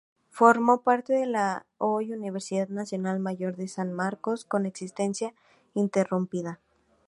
Formó parte de la hoy Universidad Nacional Mayor de San Marcos, con existencia ininterrumpida.